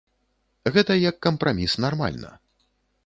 Гэта як кампраміс нармальна.